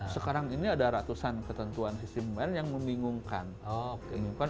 sekarang ini ada ratusan ketentuan sistem yang membingungkan